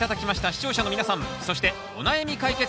視聴者の皆さんそしてお悩み解決